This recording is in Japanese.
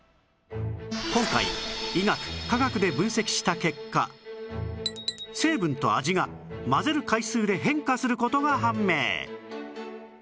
今回医学・科学で分析した結果成分と味が混ぜる回数で変化する事が判明